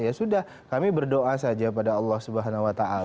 ya sudah kami berdoa saja pada allah swt